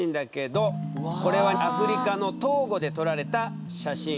これはアフリカのトーゴで撮られた写真。